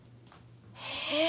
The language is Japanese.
へえ！